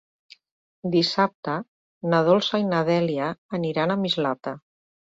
Dissabte na Dolça i na Dèlia aniran a Mislata.